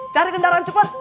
cari gendara cepat